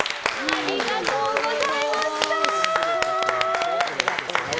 ありがとうございます。